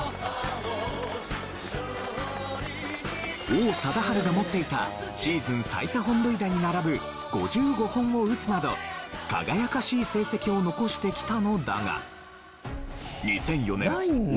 王貞治が持っていたシーズン最多本塁打に並ぶ５５本を打つなど輝かしい成績を残してきたのだが。